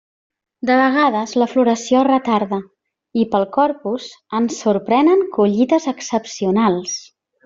De vegades la floració es retarda, i pel Corpus ens sorprenen collites excepcionals.